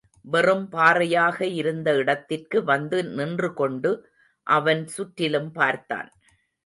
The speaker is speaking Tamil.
வெறும் பாறையாக இருந்த இடத்திற்கு வந்து நின்றுகொண்டு, அவன் சுற்றிலும் பார்த்தான்.